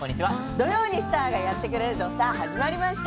土曜にスターがやってくる「土スタ」始まりました。